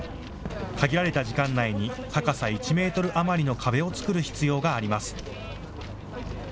限られた時間内に高さ１メートル余りの壁を作る必要があります。